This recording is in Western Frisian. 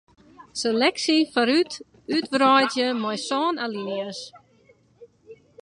Seleksje foarút útwreidzje mei sân alinea's.